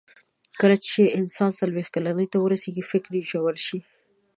کله چې انسان څلوېښت کلنۍ ته ورسیږي، فکر یې ژور شي.